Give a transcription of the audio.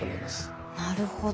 なるほど。